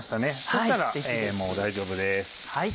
そしたらもう大丈夫です。